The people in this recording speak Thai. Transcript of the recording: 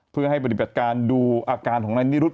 เพื่อให้ปฏิบัติการดูอาการของนายนิรุธ